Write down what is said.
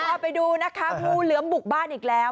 พาไปดูนะคะงูเหลือมบุกบ้านอีกแล้ว